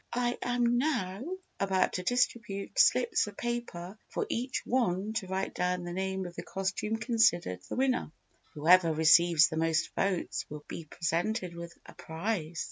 "I am now about to distribute slips of paper for each one to write down the name of the costume considered the winner. Whoever receives the most votes will be presented with a prize.